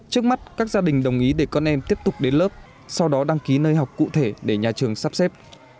trước mắt các gia đình đồng ý để con em tiếp tục đến lớp sau đó đăng ký nơi học cụ thể để nhà trường sắp xếp